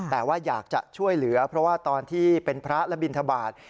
แต่ว่าอยากจะช่วยเหลือเพราะว่าตอนที่เป็นพระและบินทบาท